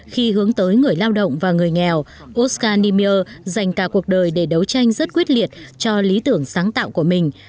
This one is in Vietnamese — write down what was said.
khi hướng tới người lao động và người nghèo oscarimir dành cả cuộc đời để đấu tranh rất quyết liệt cho lý tưởng sáng tạo của mình